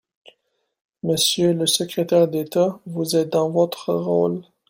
Monsieur le secrétaire d’État, vous êtes dans votre rôle.